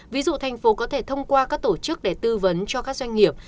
ví dụ thành phố có thể thông qua các tổ chức để tư vấn cho các doanh nghiệp